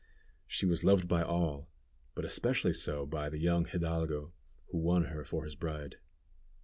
She was loved by all, but especially so by the young hidalgo, who won her for his bride.